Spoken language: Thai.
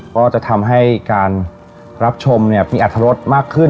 ก็จะทำให้การรับชมมีอัตรรสมากขึ้น